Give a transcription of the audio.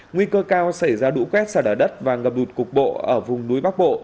nguy cơ cao xảy ra đũ quét xa đá đất và ngập đụt cục bộ ở vùng núi bắc bộ